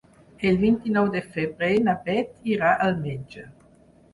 El vint-i-nou de febrer na Bet irà al metge.